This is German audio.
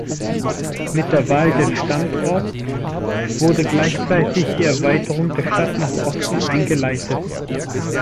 Mit der Wahl des Standorts wurde gleichzeitig die Erweiterung der Stadt nach Osten eingeleitet.